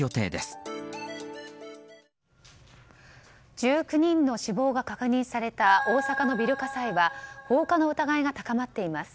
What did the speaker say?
１９人の死亡が確認された大阪のビル火災は放火の疑いが高まっています。